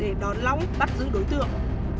để đón lóng bắt giữ đối tượng